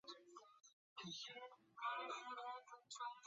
强奸也是种族灭绝过程的一部分。